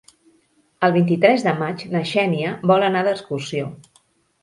El vint-i-tres de maig na Xènia vol anar d'excursió.